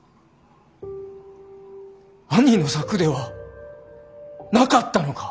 兄の策ではなかったのか。